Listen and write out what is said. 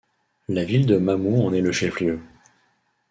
La ville de Mamou en est le chef-lieu.